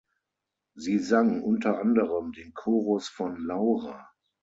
Sie sang unter anderem den Chorus von "Laura".